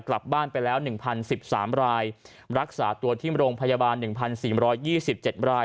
กลับบ้านไปแล้ว๑๐๑๓รายรักษาตัวที่โรงพยาบาล๑๔๒๗ราย